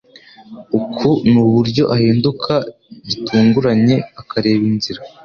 Uku nuburyo ahinduka gitunguranye akareba inzira